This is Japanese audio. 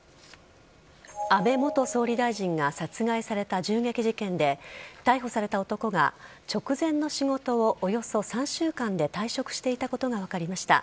安倍元総理大臣が殺害された銃撃事件で逮捕された男が直前の仕事をおよそ３週間で退職していたことが分かりました。